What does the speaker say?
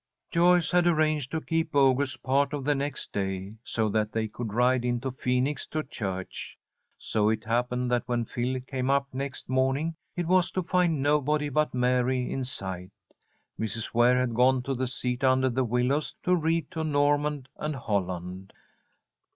Joyce had arranged to keep Bogus part of the next day, so that they could ride into Phoenix to church. So it happened that when Phil came up next morning, it was to find nobody but Mary in sight. Mrs. Ware had gone to the seat under the willows to read to Norman and Holland.